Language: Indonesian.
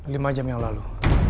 lima jam yang lalu